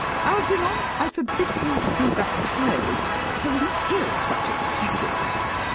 Algernon, I forbid you to be baptized. I will not hear of such excesses.